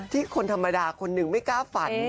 คนธรรมดาคนหนึ่งไม่กล้าฝัน